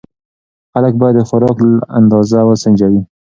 خلک باید د خوراک اندازه وسنجوي.